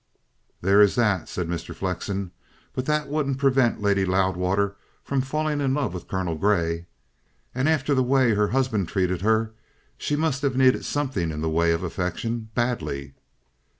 "There is that," said Mr. Flexen. "But that wouldn't prevent Lady Loudwater from falling in love with Colonel Grey. And after the way her husband treated her, she must have needed something in the way of affection badly."